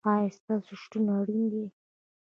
ایا ستاسو شتون اړین دی؟